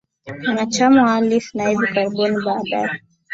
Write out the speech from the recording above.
mwanachama wa Allies na hivi karibuni baadaye